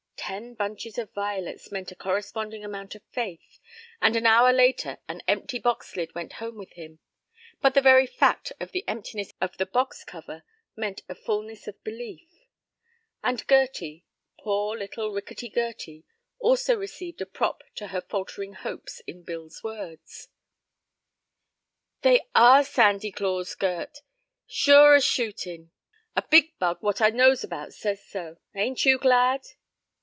Ten bunches of violets meant a corresponding amount of faith, and an hour later an empty box lid went home with him. But the very fact of the emptiness of the box cover meant a fullness of belief. And Gerty; poor little, rickety Gerty, also received a prop to her faltering hopes in Bill's words. "They are a Sandy Claus, Gert, sure as shootin'! A big bug what I knows about says so. Ain't you glad?"